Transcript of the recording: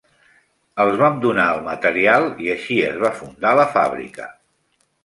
Els vam donar el material i així es va fundar la fàbrica.